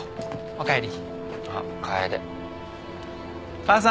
おかえり。